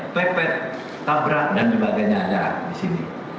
pepet tabrak dan sebagainya ada di sini